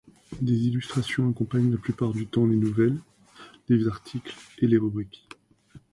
Des illustrations accompagnent la plupart du temps les nouvelles, les articles et les rubriques.